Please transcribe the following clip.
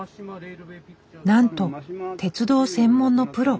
なんと鉄道専門のプロ。